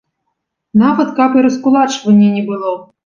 Нават каб і раскулачвання не было!